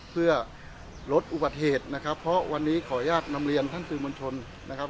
เพื่อลดอุบัติเหตุนะครับเพราะวันนี้ขออนุญาตนำเรียนท่านสื่อมวลชนนะครับ